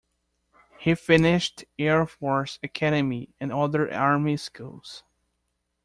He finished Air force academy and other army schools.